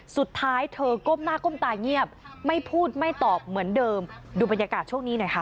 สุดท้ายเธอก้มหน้าก้มตาเงียบไม่พูดไม่ตอบเหมือนเดิมดูบรรยากาศช่วงนี้หน่อยค่ะ